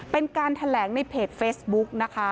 เป็นการแถลงในเพจเฟสบุ๊ค